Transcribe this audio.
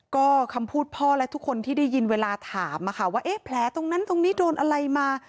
ก็คำพูดพ่อและทุกคนที่ได้ยินเวลาถามว่าเอ๊ะแผลตรงนั้นตรงนี้โดนอะไรมา